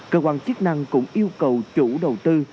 cơ quan chức năng cũng yêu cầu chủ đầu tư